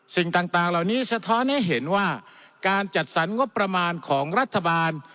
สิ่งต่างเหล่านี้สะท้อนให้เห็นว่าการจัดสรรงบประมาณของรัฐบาล